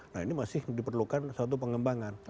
nah ini masih diperlukan suatu pengembangan